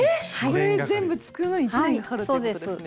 これ全部作るのに１年かかるっていうことですね。